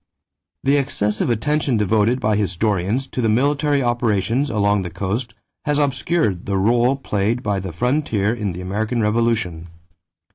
= The excessive attention devoted by historians to the military operations along the coast has obscured the rôle played by the frontier in the American Revolution.